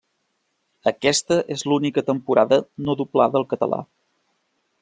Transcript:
Aquesta és l'única temporada no doblada al català.